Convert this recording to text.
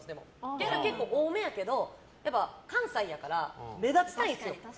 ギャル、結構多めやけど関西だから目立ちたいんすよ。